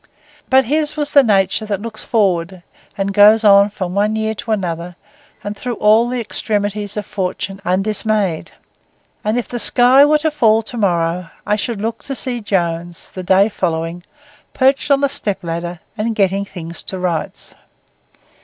But his was the nature that looks forward, and goes on from one year to another and through all the extremities of fortune undismayed; and if the sky were to fall to morrow, I should look to see Jones, the day following, perched on a step ladder and getting things to rights.